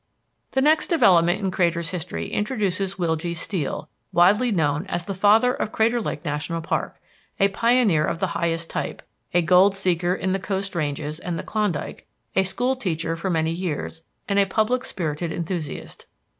The next development in Crater's history introduces Will G. Steel, widely known as "the Father of Crater Lake National Park," a pioneer of the highest type, a gold seeker in the coast ranges and the Klondike, a school teacher for many years, and a public spirited enthusiast.